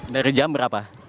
dari jam berapa